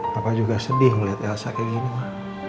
bapak juga sedih ngeliat elsa kaya gini ma